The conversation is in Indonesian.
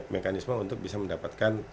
maka kita bisa mendapatkan tanda